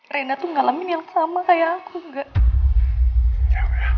rena tuh ngalamin yang sama kayak aku gak